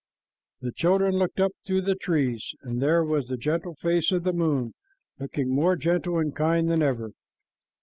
The children looked up through the trees, and there was the gentle face of the moon, looking more gentle and kind than ever.